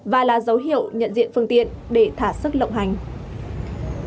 và là dấu hiệu nhận diện phương tiện để thả sức lộng hành